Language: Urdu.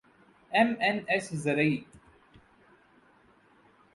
ایم این ایس زرعی